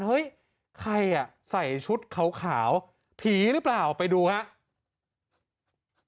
เฮ้ยใครอ่ะใส่ชุดขาวผีหรือเปล่าไปดูครับ